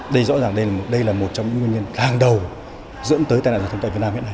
đây rõ ràng đây là một trong những nguyên nhân hàng đầu dẫn tới tai nạn giao thông tại việt nam hiện nay